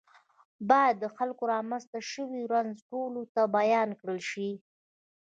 باید د خلکو رامنځته شوی رنځ ټولو ته بیان کړل شي.